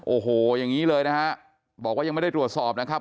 โอ้โหอย่างนี้เลยนะฮะบอกว่ายังไม่ได้ตรวจสอบนะครับ